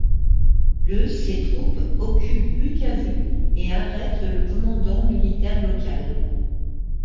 Le ses troupes occupent Bukavu et arrêtent le commandant militaire local.